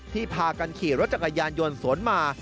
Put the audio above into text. พากันขี่รถจักรยานยนต์สวนมา